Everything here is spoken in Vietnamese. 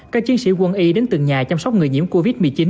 các chiến sĩ quân y đến từng nhà chăm sóc người nhiễm covid một mươi chín